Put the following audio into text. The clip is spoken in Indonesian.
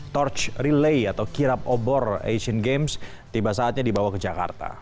torch relay atau kirap obor asian games tiba saatnya dibawa ke jakarta